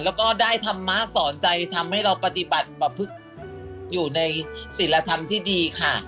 แล้วก็ได้ธรรมะสอนใจทำให้เราปฏิบัติอยู่ในศิลธรรมที่ดีค่ะ